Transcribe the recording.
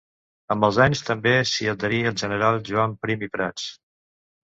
Amb els anys també s'hi adherí el general Joan Prim i Prats.